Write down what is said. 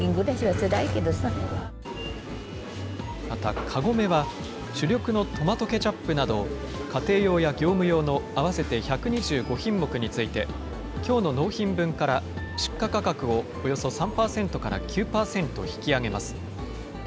また、カゴメは、主力のトマトケチャップなど、家庭用や業務用の合わせて１２５品目について、きょうの納品分から、出荷価格をおよそ３％から９％引き上げます。